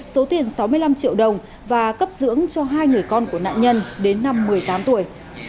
số tiền sáu mươi năm triệu đồng và cấp dưỡng cho hai người con của nạn nhân đến năm một mươi tám tuổi